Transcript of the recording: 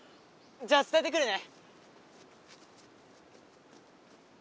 じゃあつたえてくるね！